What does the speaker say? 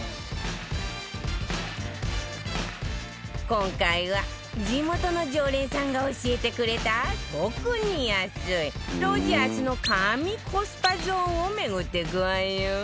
今回は地元の常連さんが教えてくれた特に安いロヂャースの神コスパゾーンを巡っていくわよ